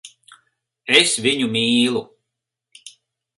Es viņu mīlu.